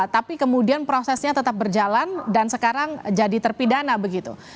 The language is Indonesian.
tapi kemudian prosesnya tetap berjalan dan sekarang jadi terpidana begitu